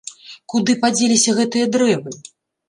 Куды падзеліся гэтыя дрэвы?